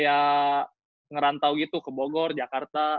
yang tuh kayak ngerantau gitu ke bogor jakarta